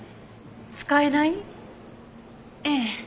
使えない？ええ。